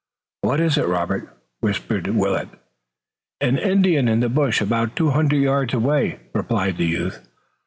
"What is it, Robert?" whispered Willet. "An Indian in the bush about two hundred yards away," replied the youth.